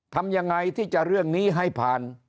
ทำยังไงที่จะเรื่องนี้ให้ผ่าน